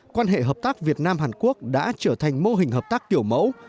quan hệ hợp tác việt nam hàn quốc đã trở thành mô hình hợp tác kiểu mẫu